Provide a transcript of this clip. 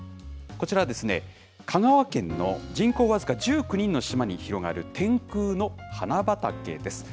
こちらはですね、香川県の人口僅か１９人の島に広がる、天空の花畑です。